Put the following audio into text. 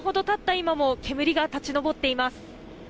今も煙が立ち上っています。